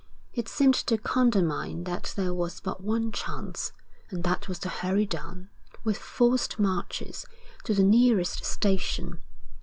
It seemed to Condamine that there was but one chance, and that was to hurry down, with forced marches, to the nearest station.